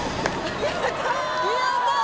やったー！